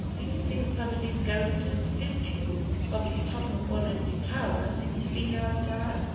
Do you sink somebody's goin' to soot you from de top of one of de towers if you speak out loud?"